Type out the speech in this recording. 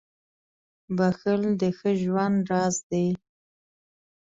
• بښل د ښه ژوند راز دی.